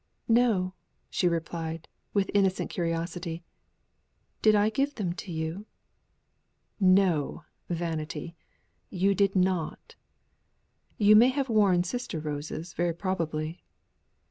"No!" she replied, with innocent curiosity. "Did I give them to you?" "No! Vanity; you did not. You may have worn sister roses very probably."